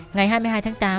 ngày hai mươi hai tháng tám